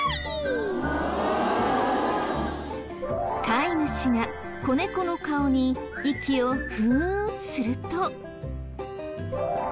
飼い主が子猫の顔に息をフッすると。